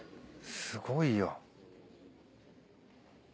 すごいよ。